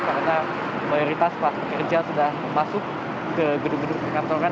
karena mayoritas pas pekerja sudah masuk ke gedung gedung sekatoran